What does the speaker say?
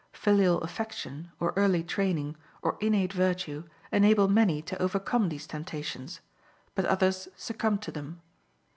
Filial affection, or early training, or innate virtue, enable many to overcome these temptations, but others succumb to them.